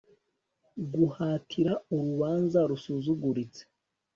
Guhatira urubanza rusuzuguritse